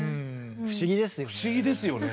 不思議ですよね。